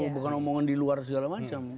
bukan omongan di luar segala macam